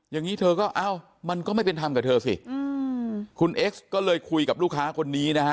อย่างนี้เธอก็เอ้ามันก็ไม่เป็นธรรมกับเธอสิคุณเอ็กซ์ก็เลยคุยกับลูกค้าคนนี้นะฮะ